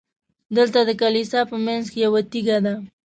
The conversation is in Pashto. دلته د کلیسا په منځ کې یوه تیږه ده.